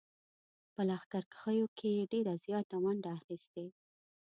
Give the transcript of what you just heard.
په لښکرکښیو کې یې ډېره زیاته ونډه اخیستې.